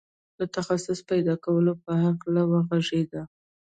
د تخصص پيدا کولو په هکله وغږېد.